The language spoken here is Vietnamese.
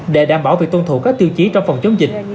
để đảm bảo việc tuân thủ các tiêu chí trong phòng chống dịch